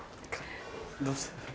どうした？